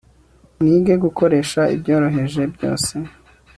Mwige Gukoresha Ibyoroheje byose